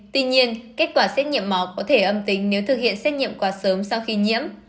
tuy nhiên kết quả xét nghiệm máu có thể âm tính nếu thực hiện xét nghiệm quá sớm sau khi nhiễm